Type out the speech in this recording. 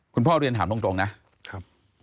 คุณพ่อเรียนถามตรงนะ